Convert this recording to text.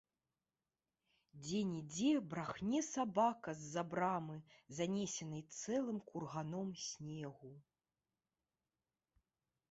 Дзе-нідзе брахне сабака з-за брамы, занесенай цэлым курганом снегу.